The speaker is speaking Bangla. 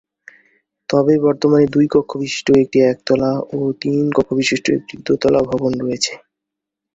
তবে বর্তমানে দুই কক্ষ বিশিষ্ট একটি একতলা ও তিন কক্ষ বিশিষ্ট একটি দোতলা ভবন রয়েছে।